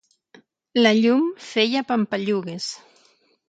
La llum feia pampallugues